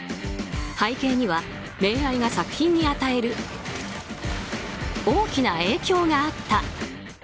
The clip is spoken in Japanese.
背景には、恋愛が作品に与える大きな影響があった。